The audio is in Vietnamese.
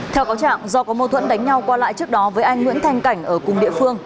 theo cáo trạng do có mâu thuẫn đánh nhau qua lại trước đó với anh nguyễn thanh cảnh ở cùng địa phương